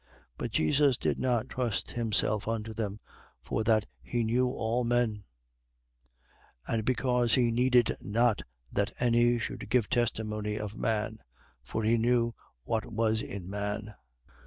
2:24. But Jesus did not trust himself unto them: for that he knew all men, 2:25. And because he needed not that any should give testimony of man: for he knew what was in man.